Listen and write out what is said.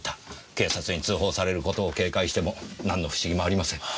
警察に通報される事を警戒しても何の不思議もありません。